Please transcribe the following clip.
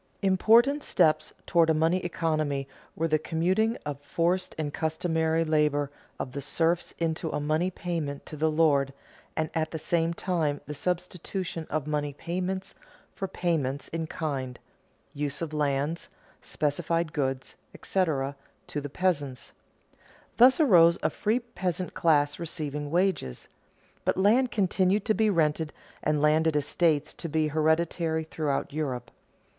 Important steps toward a money economy were the commuting of forced or customary labor of the serfs into a money payment to the lord, and at the same time the substitution of money payments for payments in kind (use of lands, specified goods, etc.) to the peasants. Thus arose a free peasant class receiving wages. But land continued to be rented and landed estates to be hereditary throughout Europe.